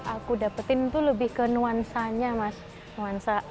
aku dapatin itu lebih ke nuansanya mas